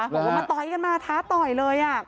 บอกว่ามาต่อยกันมาท้าต่อยเลย